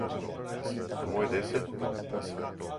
А моје дете?